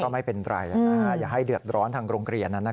ไม่เป็นไรอย่าให้เดือดร้อนทางโรงเรียน